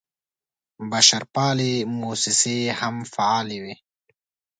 بشرپالې موسسې هم فعالې وې.